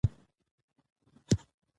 ننګرهار د افغان کورنیو د دودونو مهم عنصر دی.